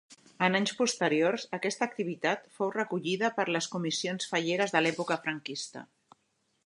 En anys posteriors, aquesta activitat fou recollida per les comissions falleres de l'època franquista.